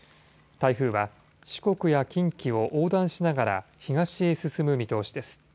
台風は四国や近畿を横断しながら東へ進む見通しです。